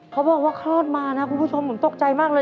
คลอดมานะคุณผู้ชมผมตกใจมากเลย